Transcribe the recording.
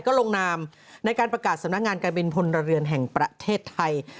ก็ลงนามในการประกาศสำนักงานการบินพลเรือนแห่งประเทศไทย